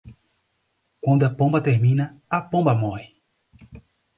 Quando a pomba termina, a pomba morre.